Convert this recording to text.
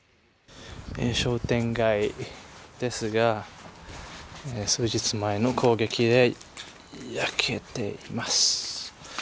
商店街ですが、数日前の攻撃で焼けています。